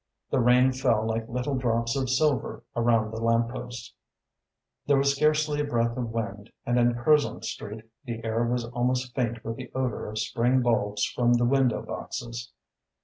The rain fell like little drops of silver around the lampposts. There was scarcely a breath of wind and in Curzon Street the air was almost faint with the odour of spring bulbs from the window boxes.